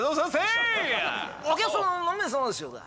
お客様何名様でしょうか？